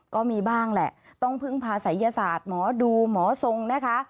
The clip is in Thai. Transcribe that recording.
ก็มีบ้างแหละต้องพึ่งพาศัยยศาสตร์หมอดูหมอทรงนะคะ